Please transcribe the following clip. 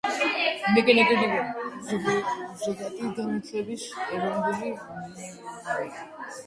ზოგადი განათლების ეროვნული მიზნები